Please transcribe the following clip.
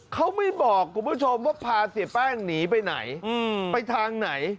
เขาไม่บอกคุณผู้ชมว่าพาเสียแป้งหนีไปไหนไปทางไหน